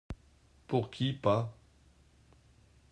Pour qui, p’pa ?